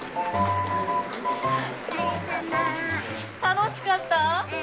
・楽しかった？